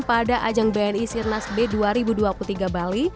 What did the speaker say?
pada ajang bni sirnas b dua ribu dua puluh tiga bali